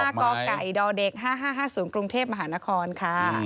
๕กด๕๕๕๐กรุงเทพฯมหานครค่ะ